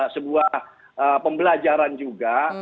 sebuah pembelajaran juga